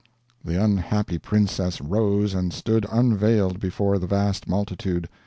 The unhappy princess rose, and stood unveiled before the vast multitude.